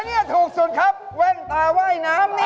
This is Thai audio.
อันนี้ถูกสุดครับแว่นตาว่ายน้ำนี่